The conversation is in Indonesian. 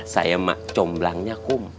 saya mak cemb dramanya kah